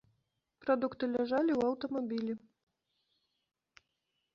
Прадукты ляжалі ў аўтамабілі.